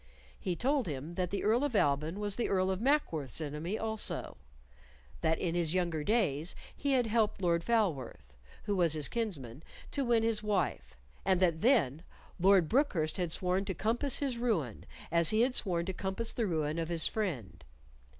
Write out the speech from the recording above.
He told him that the Earl of Alban was the Earl of Mackworth's enemy also; that in his younger days he had helped Lord Falworth, who was his kinsman, to win his wife, and that then, Lord Brookhurst had sworn to compass his ruin as he had sworn to compass the ruin of his friend.